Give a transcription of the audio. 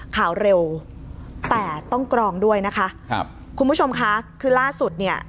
ข่าวเร็วแต่ต้องกรองด้วยนะคะครับคุณผู้ชมค่ะคือล่าสุดเนี่ย